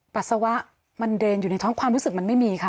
ปัสสาวะมันเดินอยู่ในท้องความรู้สึกมันไม่มีค่ะ